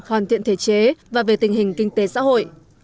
hoàn thiện thể chế và về tình hình kinh tế xã hội